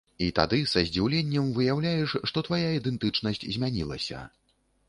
І тады са здзіўленнем выяўляеш, што твая ідэнтычнасць змянілася.